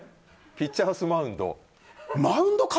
ピッチャーズマウンド。